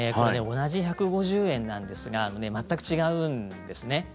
同じ１５０円なんですが全く違うんですね。